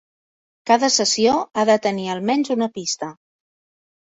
Cada sessió ha de tenir almenys una pista.